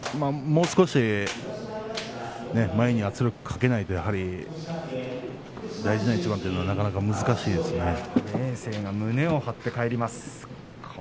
もう少し前に圧力をかけないと大事な一番というのは明生、胸を張って帰ります。